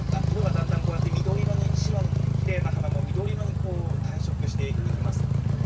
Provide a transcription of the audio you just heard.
色がだんだんこうやって緑色に白のきれいな花も緑色にこう退色していきます。